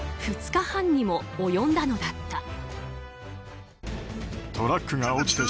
２日半にも及んだのだった。